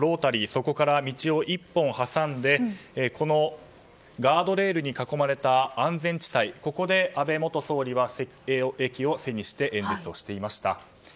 そこから道を１本挟んでガードレールに囲まれた安全地帯で安倍元総理は駅を背にして演説をしていました。